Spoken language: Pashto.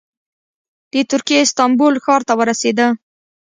د ترکیې استانبول ښار ته ورسېده.